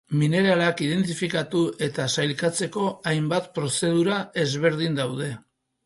Mineralak identifikatu eta sailkatzeko hainbat prozedura ezberdin daude.